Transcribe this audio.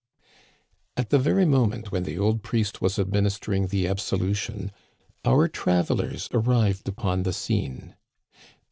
At the very moment when the old priest was admin istering the absolution our travelers arrived upon the scene.